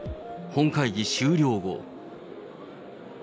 本会議終了後。